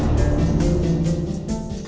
dan menjaga diri kamu